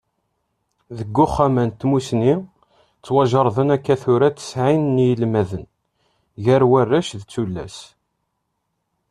Deg Uxxam-a n Tmussni, ttwajerrden akka tura tesɛin n yinelmaden, gar warrac d tullas.